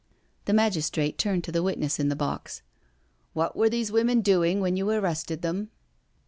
The magistrate turned to the witness in the box. " What were these women doing when you arrested them?"